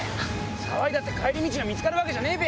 騒いだって帰り道が見つかるわけじゃねえべ！